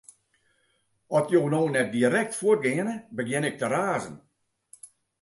At jo no net direkt fuort geane, begjin ik te razen.